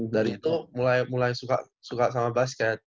dari itu mulai mulai suka suka sama basket